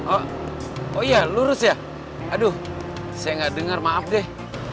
oh oh iya lurus ya aduh saya gak dengar maaf deh